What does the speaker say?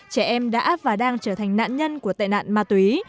trẻ em đã và đang trở thành nạn nhân của tệ nạn ma túy